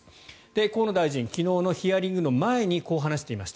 河野大臣昨日のヒアリングの前にこう話していました。